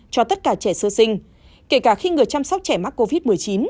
cho tất cả trẻ sơ sinh kể cả khi người chăm sóc trẻ mắc covid một mươi chín